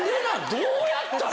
どうやったら？